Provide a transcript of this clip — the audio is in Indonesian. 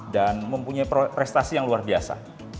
dan mempunyai prestasi yang luar biasa